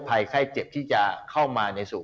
ไข้เจ็บที่จะเข้ามาในสู่